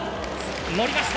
のりました！